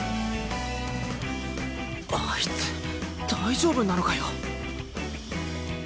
あいつ大丈夫なのかよ。